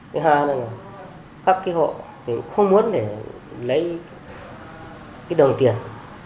cái hai là là các cái hộ không muốn để lấy cái đồng tiền